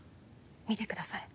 見てください。